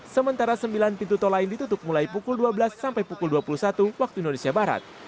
sementara sembilan pintu tol lain ditutup mulai pukul dua belas sampai pukul dua puluh satu waktu indonesia barat